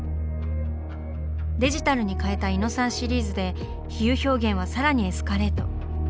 デジタルに変えた「イノサン」シリーズで比喩表現はさらにエスカレート。